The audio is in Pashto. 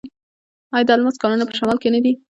آیا د الماس کانونه په شمال کې نه دي؟